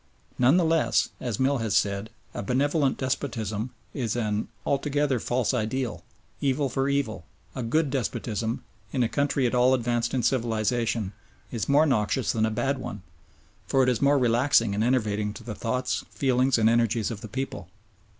None the less, as Mill has said, a benevolent despotism "is an altogether false ideal.... Evil for evil, a good despotism, in a country at all advanced in civilisation, is more noxious than a bad one; for it is more relaxing and enervating to the thoughts, feelings, and energies of the people."